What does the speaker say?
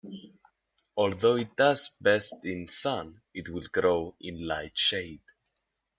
Although it does best in sun, it will grow in light shade.